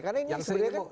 karena ini sebenarnya